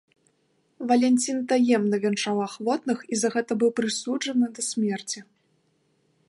Валянцін таемна вянчаў ахвотных і за гэта быў прысуджаны да смерці.